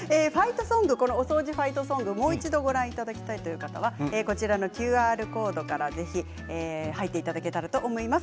ファイトソングもう一度、ご覧いただきたいという方はＱＲコードからぜひ入っていただけたらと思います。